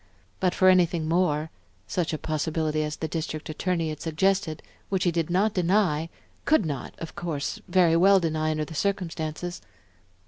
But for anything more, such a possibility as the District Attorney had suggested, which he did not deny, could not, of course, very well deny under the circumstances?...